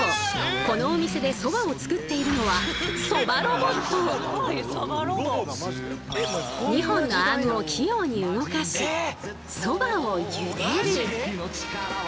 このお店でそばを作っているのは２本のアームを器用に動かしそばを茹でる。